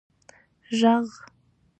ږغ